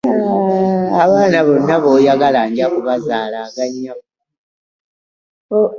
Abaana bonna b'oyagala nja kubazaala aga nnyabo.